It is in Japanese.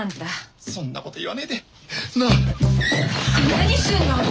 何すんの！